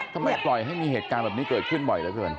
ทำไมปล่อยให้มีเหตุการณ์แบบนี้เกิดขึ้นบ่อยเหลือเกิน